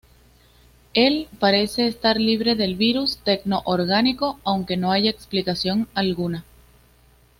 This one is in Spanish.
Él parece estar libre del virus tecno-orgánico, aunque no hay explicación alguna.